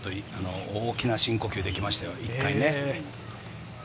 これは一つ大きな深呼吸できましたよ、一回ね。